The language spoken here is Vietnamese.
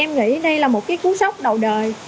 em nghĩ đây là một cái cú sốc đầu đời